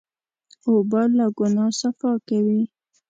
اوبه له ګناه صفا کوي.